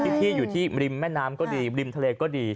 พี่อยู่ที่ริมแม่น้ำก็ดีริมทะเลก็ดี